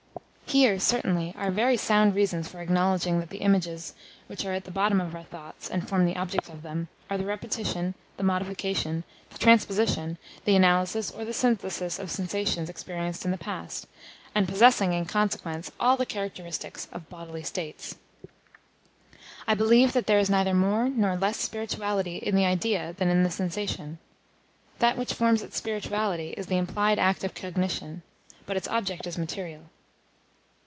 Here, certainly, are very sound reasons for acknowledging that the images which are at the bottom of our thoughts, and form the object of them, are the repetition, the modification, the transposition, the analysis or the synthesis of sensations experienced in the past, and possessing, in consequence, all the characteristics of bodily states. I believe that there is neither more nor less spirituality in the idea than in the sensation. That which forms its spirituality is the implied act of cognition; but its object is material.